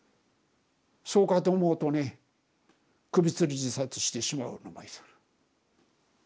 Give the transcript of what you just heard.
そうかと思うとね首つり自殺してしまうのがいる。